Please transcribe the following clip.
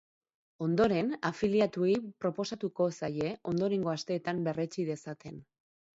Ondoren, afiliatuei proposatuko zaie, ondorengo asteetan berretsi dezaten.